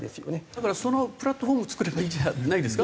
だからそのプラットフォームを作ればいいんじゃないんですか？